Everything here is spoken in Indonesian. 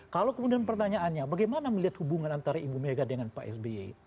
kalau kemudian pertanyaannya bagaimana melihat hubungan antara ibu mega dengan pak sby